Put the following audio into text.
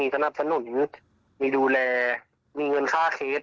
จะมีดูแลมีเงินค่าเขต